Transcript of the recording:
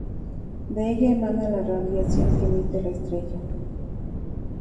De ella emana la radiación que emite la estrella.